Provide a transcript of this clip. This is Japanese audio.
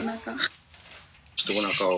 ちょっとおなかを。